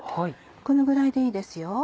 このぐらいでいいですよ。